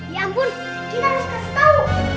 ya ampun kita harus kasih tahu